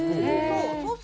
そう。